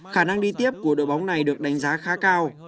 khả năng đi tiếp của đội bóng này được đánh giá khá cao